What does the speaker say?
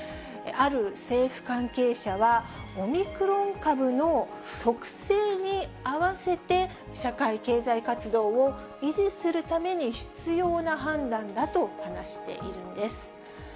ある政府関係者は、オミクロン株の特性に合わせて、社会経済活動を維持するために必要な判断だと話しているんです。